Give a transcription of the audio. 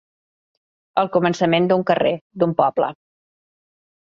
El començament d'un carrer, d'un poble.